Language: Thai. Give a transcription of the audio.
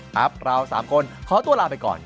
ครับเรา๓คนขอตัวลาไปก่อน